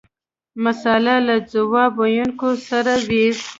مساله له ځواب ویونکي سره وي.